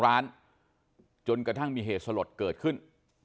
ร้านจนกระทั่งมีเหตุสลดเกิดขึ้น